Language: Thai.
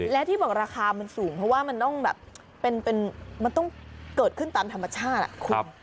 และที่บอกราคามันสูงเพราะว่ามันต้องแบบมันต้องเกิดขึ้นตามธรรมชาติคุณ